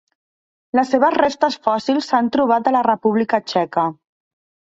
Les seves restes fòssils s'han trobat a la República Txeca.